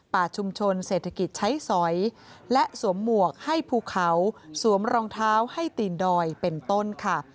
ชุมชนเศรษฐกิจใช้สอยและสวมหมวกให้ภูเขาสวมรองเท้าให้ตีนดอยเป็นต้นค่ะ